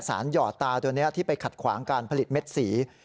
หยอดตาตัวนี้ที่ไปขัดขวางการผลิตเม็ดสี